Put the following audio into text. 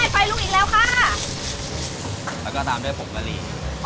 ไฟลุกอีกแล้วค่ะแล้วก็ตามด้วยผงกะลี